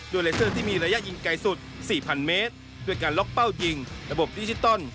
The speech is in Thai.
เลเซอร์ที่มีระยะยิงไกลสุด๔๐๐เมตรด้วยการล็อกเป้ายิงระบบดิจิตอล